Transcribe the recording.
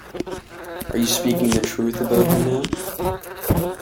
Are you speaking the truth about him now?